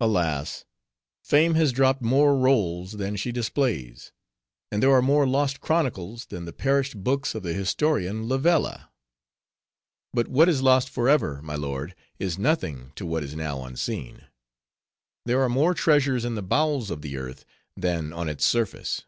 Alas! Fame has dropped more rolls than she displays; and there are more lost chronicles, than the perished books of the historian Livella.' But what is lost forever, my lord, is nothing to what is now unseen. There are more treasures in the bowels of the earth, than on its surface."